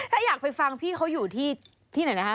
ถ้าอยากไปฟังพี่เขาอยู่ที่ไหนนะคะ